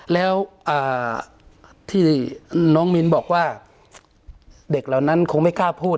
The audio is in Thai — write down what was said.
แล้วที่น้องมิ้นบอกว่าเด็กเหล่านั้นคงไม่กล้าพูด